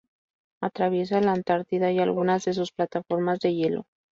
Atraviesa la Antártida y algunas de sus plataformas de hielo.